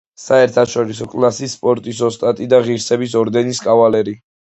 საერთაშორისო კლასის სპორტის ოსტატი და ღირსების ორდენის კავალერი.